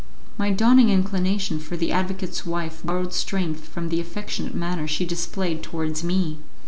My dawning inclination for the advocate's wife borrowed strength from the affectionate manner she displayed towards me.